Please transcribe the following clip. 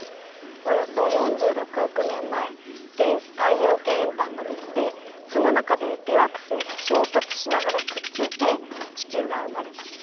およそ４６億年前原始太陽系円盤ができてその中で微惑星が衝突しながらくっついて地球が生まれた。